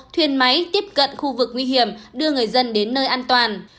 thuyền máy tiếp cận khu vực nguy hiểm đưa người dân đến nơi an toàn